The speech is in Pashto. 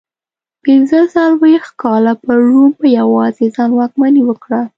پنځه څلوېښت کاله پر روم په یوازې ځان واکمني وکړه